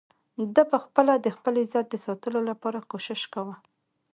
ده په خپله د خپل عزت د ساتلو لپاره کوشش کاوه.